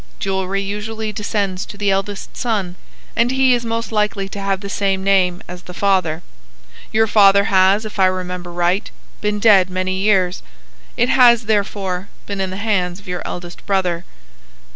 Jewelry usually descends to the eldest son, and he is most likely to have the same name as the father. Your father has, if I remember right, been dead many years. It has, therefore, been in the hands of your eldest brother."